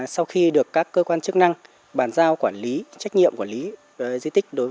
sau khi được các cơ quan chức năng bàn giao quản lý trách nhiệm quản lý di tích